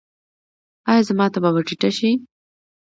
ایا زما تبه به ټیټه شي؟